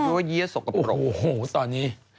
โอ้โฮโอ้โฮตอนนี้